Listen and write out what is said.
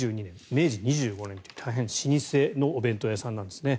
明治２５年という大変老舗のお弁当屋さんなんですね。